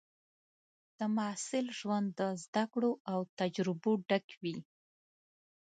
د محصل ژوند د زده کړو او تجربو ډک وي.